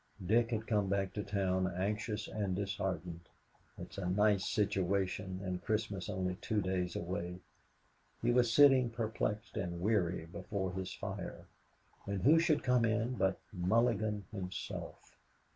Dick had come back to town anxious and disheartened. "It's a nice situation, and Christmas only two days away." He was sitting perplexed and weary before his fire, when who should come in but Mulligan himself.